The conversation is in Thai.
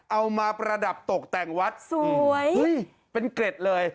ประดับตกแต่งวัดสวยเป็นเกร็ดเลย